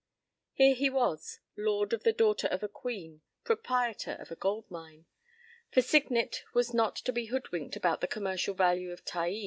p> Here he was, lord of the daughter of a queen, proprietor of a "gold mine." For Signet was not to be hoodwinked about the commercial value of Taai.